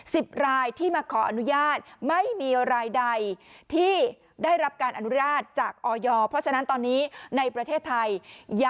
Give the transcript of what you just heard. สิบรายที่มาขออนุญาตไม่มีรายใดที่ได้รับการอนุญาตจากอ่อยอ๋อ